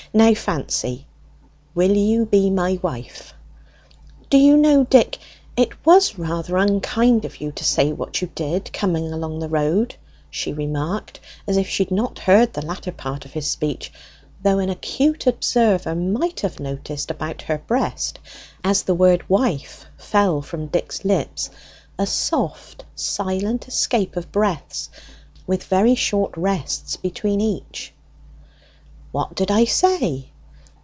"Now, Fancy, will you be my wife?" "Do you know, Dick, it was rather unkind of you to say what you did coming along the road," she remarked, as if she had not heard the latter part of his speech; though an acute observer might have noticed about her breast, as the word 'wife' fell from Dick's lips, a soft silent escape of breaths, with very short rests between each. "What did I say?"